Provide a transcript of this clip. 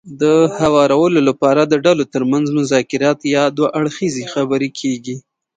د هوارولو لپاره د ډلو ترمنځ مذاکرات يا دوه اړخیزې خبرې کېږي.